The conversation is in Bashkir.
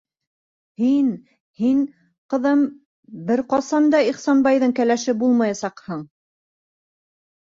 Һин, һин... ҡыҙым... бер ҡасан да Ихсанбайҙың кәләше булмаясаҡһың!